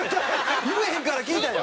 言えへんから聞いたんや。